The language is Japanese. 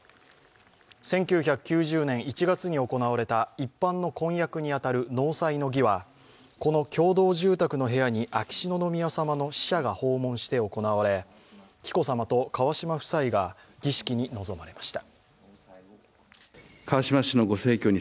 １９９０年１月に行われた一般の婚約に当たる納采の儀はこの共同住宅の部屋に秋篠宮さまの使者が訪問して行われ紀子さまと川嶋夫妻が儀式に臨まれました。